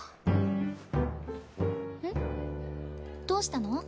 どうしたの？